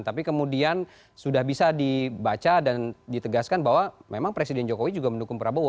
tapi kemudian sudah bisa dibaca dan ditegaskan bahwa memang presiden jokowi juga mendukung prabowo